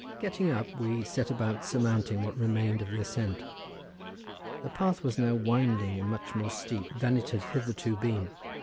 Getting up we set about surmounting what remained of the ascent. The path was now winding and much more steep than it had hitherto been.